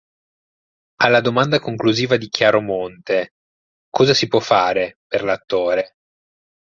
Alla domanda conclusiva di Chiaromonte "cosa si può fare per l'attore?